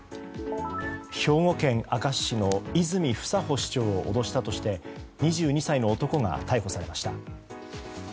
兵庫県明石市の泉房穂市長を脅したとして２２歳の男が逮捕されました。